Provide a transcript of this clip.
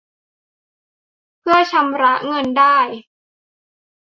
เพื่อชำระเงินได้